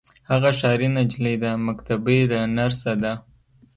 هغه ښاري نجلۍ ده مکتبۍ ده نرسه ده.